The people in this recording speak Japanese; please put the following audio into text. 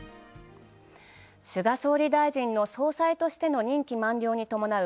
菅総理大臣の総裁としての任期満了にともなう